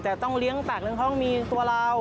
แต่ต้องเลี้ยงปากเลี้ยงห้องมีตัวเรา